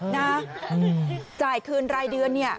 นะจ่ายคืนรายเดือนเนี่ย